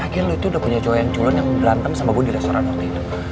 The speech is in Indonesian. akhirnya lo itu udah punya cowok yang culen yang berantem sama gue di restoran waktu itu